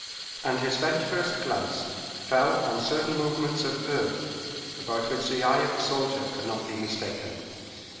And his very first glance fell on certain movements of earth about which the eye of a soldier could not be mistaken.